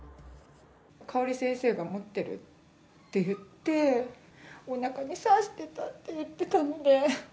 香織先生が持っているって言って、おなかに刺してたって言ってたので。